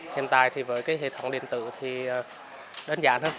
hiện tại thì với cái hệ thống điện tử thì đơn giản hơn